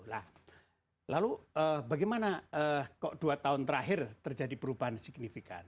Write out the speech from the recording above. nah lalu bagaimana kok dua tahun terakhir terjadi perubahan signifikan